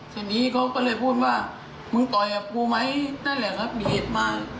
ทีนี้เขาก็เลยพูดว่ามึงต่อยกับกูไหมนั่นแหละครับบีบมา